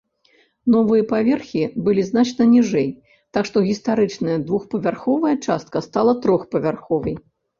Новыя паверхі былі значна ніжэй, так што гістарычная двухпавярховая частка стала трохпавярховай.